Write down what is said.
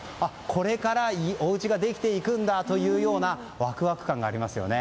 これからおうちができていくんだというようなワクワク感がありますね。